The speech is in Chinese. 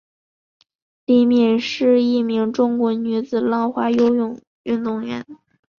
李敏是一名中国女子花样游泳运动员。